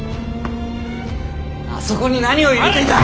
あそこに何を入れていた？